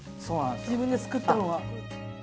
自分で作ったのは。